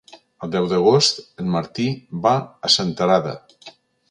El deu d'agost en Martí va a Senterada.